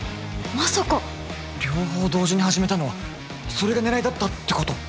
まさか両方同時に始めたのはそれが狙いだったってこと？